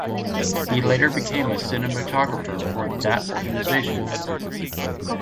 He later became a cinematographer for that organization.